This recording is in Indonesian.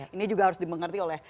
ini juga harus dimengerti oleh